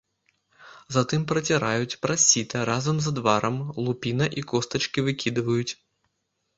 Затым праціраюць праз сіта разам з адварам, лупіна і костачкі выкідваюць.